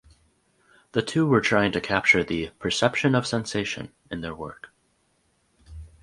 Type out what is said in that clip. The two were trying to capture the "perception of sensation" in their work.